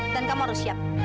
dan kamu harus siap